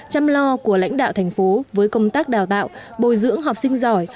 chăm lo của lãnh đạo thành phố với công tác đào tạo bồi dưỡng học sinh giỏi